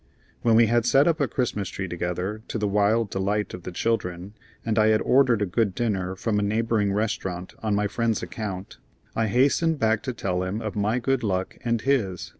When we had set up a Christmas tree together, to the wild delight of the children, and I had ordered a good dinner from a neighboring restaurant on my friend's account, I hastened back to tell him of my good luck and his.